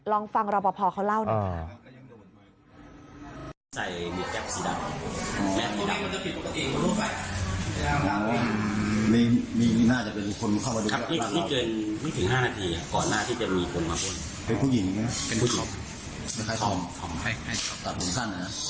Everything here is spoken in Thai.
ลองฟังรพเขาเล่าหน่อยค่ะ